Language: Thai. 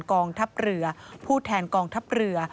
กองทัพเรือผู้แทนกองทัพเรือ